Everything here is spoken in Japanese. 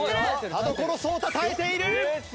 田所蒼大耐えている！